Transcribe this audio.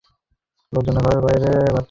লোকজনের ঘরের বাইরে বেরুবার অনুমতি নেই।